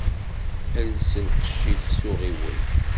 Els lqecc-ik s uɣiwel.